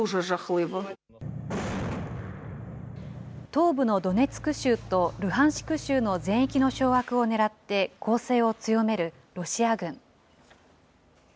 東部のドネツク州とルハンシク州の全域の掌握をねらって、攻勢を強めるロシア軍。